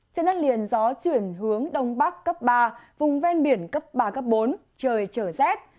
trên đất liền gió chuyển hướng đông bắc cấp ba vùng ven biển cấp ba bốn trời trở rét